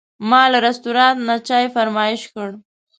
ما له رستورانت نه چای فرمایش کړ.